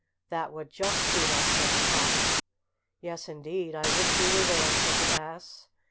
"That would just suit us," said the cock. "Yes, indeed, I wish we were there," said the ass.